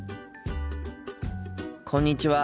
こんにちは。